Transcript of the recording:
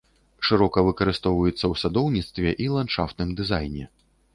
Шырока выкарыстоўваецца ў садоўніцтве і ландшафтным дызайне.